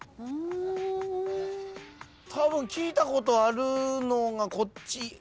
たぶん聞いたことあるのがこっち。